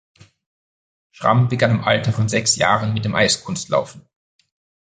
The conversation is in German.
Schramm begann im Alter von sechs Jahren mit dem Eiskunstlaufen.